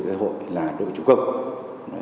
giới hội là đội chủ cộng